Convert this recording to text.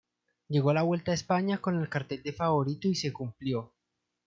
Llegó a la Vuelta a España con el cartel de favorito y se cumplió.